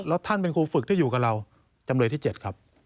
แล้วท่านเป็นครูฝึกที่อยู่กับเราจำเลยที่๗ครับ